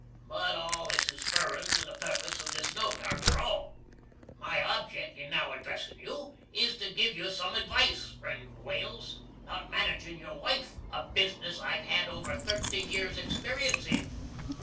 But all this is furrin to the purpuss of this note, arter all. My objeck in now addressin' you is to giv you sum advice, friend Wales, about managin' your wife, a bizniss I've had over thirty years experience in.